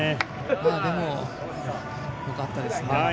でも、よかったです。